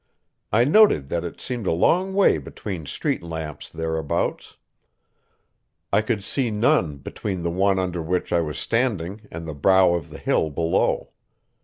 I noted that it seemed a long way between street lamps thereabouts. I could see none between the one under which I was standing and the brow of the hill below.